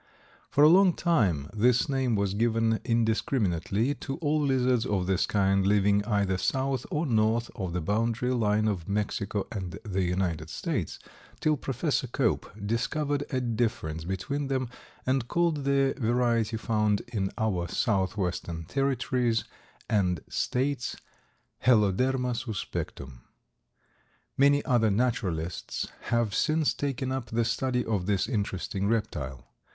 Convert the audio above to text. For a long time this name was given indiscriminately to all lizards of this kind, living either south or north of the boundary line of Mexico and the United States, till Professor Cope discovered a difference between them and called the variety found in our southwestern territories and states Heloderma suspectum. Many other naturalists have since taken up the study of this interesting reptile.